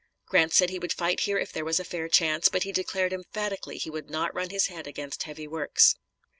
Grant said he would fight here if there was a fair chance, but he declared emphatically he would not run his head against heavy works.